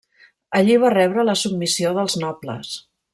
Allí va rebre la submissió dels nobles.